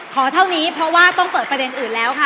เท่านี้เพราะว่าต้องเปิดประเด็นอื่นแล้วค่ะ